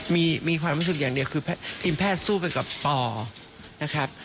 มีความรู้สึกอย่างเดียวคือทีมแพทย์สู้ไปกับปอนะครับ